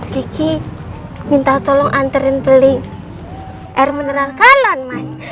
diki minta tolong anterin beli air mineral kalon mas